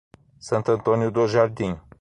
Santo Antônio do Jardim